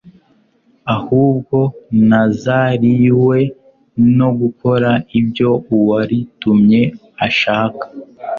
ahubwo nazariywe no gukora ibyo Uwaritumye ashaka`.»